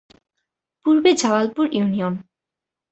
পূর্বে জালালপুর ইউনিয়ন।